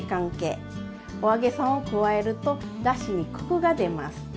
お揚げさんを加えるとだしにコクが出ます。